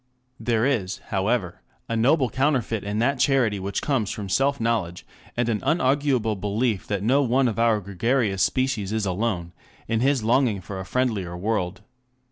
5 There is, however, a noble counterfeit in that charity which comes from self knowledge and an unarguable belief that no one of our gregarious species is alone in his longing for a friendlier world.